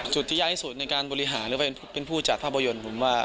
จุดที่ใหญ่ที่สุดในการบริหารหรือเป็นผู้จัดภาพยนตร์ผมว่า